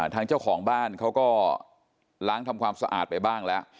ทางเจ้าของบ้านเขาก็ล้างทำความสะอาดไปบ้างแล้ว